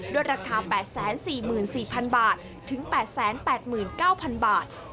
ราคา๘๔๔๐๐๐บาทถึง๘๘๙๐๐บาท